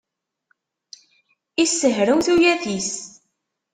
Issehrew tuyat-is.